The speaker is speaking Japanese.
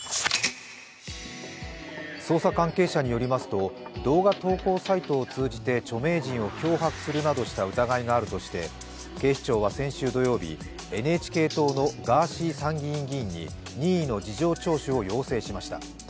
捜査関係者によりますと動画投稿サイトを通じて著名人を脅迫したなどの疑いがあるとして警視庁は先週土曜日、ＮＨＫ党のガーシー参議院議員の任意の事情聴取を要請しました。